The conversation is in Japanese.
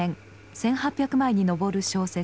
１，８００枚に上る小説